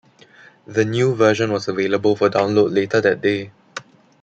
The new version was available for download later that day.